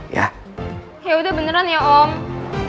ya yaudah beneran ya om